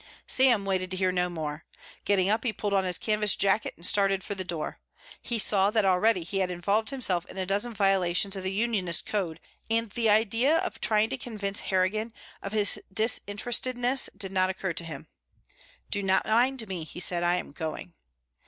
Sam waited to hear no more. Getting up he pulled on his canvas jacket and started for the door. He saw that already he had involved himself in a dozen violations of the unionist code and the idea of trying to convince Harrigan of his disinterestedness did not occur to him. "Do not mind me," he said, "I am going."